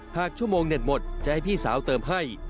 หากชั่วโมงเน็ตหมดจะให้พี่สาวเติมให้